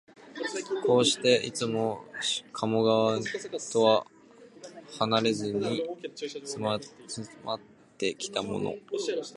こうして、いつも加茂川とはなれずに住まってきたのも、